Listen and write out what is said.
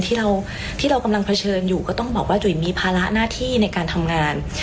ที่เราที่เรากำลังเผชิญอยู่ก็ต้องบอกว่าจุ๋ยมีภาระหน้าที่ในการทำงาน